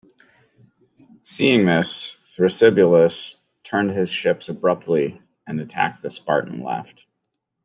Seeing this, Thrasybulus turned his ships abruptly and attacked the Spartan left.